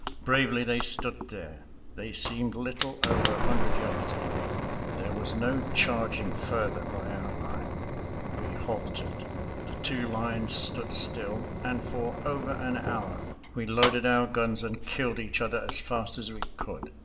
Bravely they stood there. They seemed little over a hundred yards away. There was no charging further by our line. We halted, the two lines stood still, and for over an hour we loaded our guns and killed each other as fast as we could.